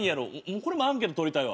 これもアンケート取りたいわ。